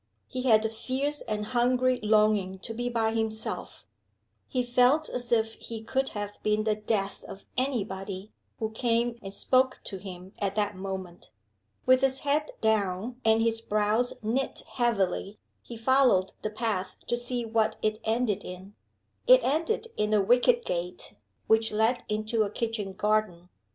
He had a fierce and hungry longing to be by himself; he felt as if he could have been the death of any body who came and spoke to him at that moment. With his head down and his brows knit heavily, he followed the path to see what it ended in. It ended in a wicket gate which led into a kitchen garden.